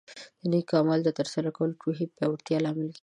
د نیکو اعمالو ترسره کول د روحیې پیاوړتیا لامل کیږي.